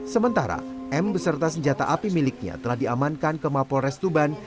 sementara m beserta senjata api miliknya telah diamankan ke mapol restuban